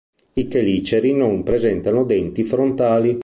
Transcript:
I cheliceri non presentano denti frontali.